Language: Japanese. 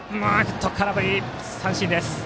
空振り、三振です。